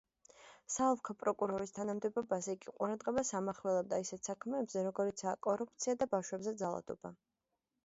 საოლქო პროკურორის თანამდებობაზე იგი ყურადღებას ამახვილებდა ისეთ საქმეებზე, როგორიცაა კორუფცია და ბავშვებზე ძალადობა.